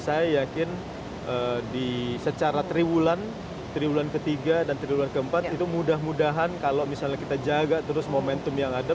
saya yakin secara triwulan triwulan ketiga dan triwulan keempat itu mudah mudahan kalau misalnya kita jaga terus momentum yang ada